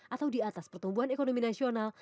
atau di atas pertumbuhan ekonomi nasional